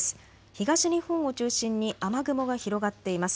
東日本を中心に雨雲が広がっています。